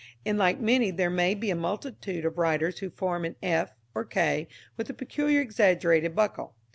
In like manner there may be a multitude of writers who form an f or k with a peculiar exaggerated buckle.